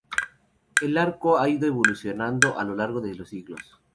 El arco ha ido evolucionando a lo largo de los siglos.